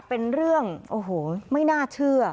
เป็นเรื่องโอ้โหไม่น่าเชื่อ